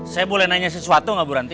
saya boleh nanya sesuatu nggak bu ranti